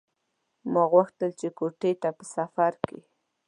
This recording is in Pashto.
ما هم غوښتل چې کوټې ته په سفر کې.